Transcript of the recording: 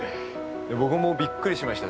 僕もびっくりしました。